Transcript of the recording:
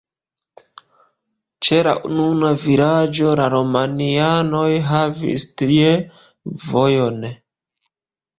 Ĉe la nuna vilaĝo la romianoj havis tie vojon.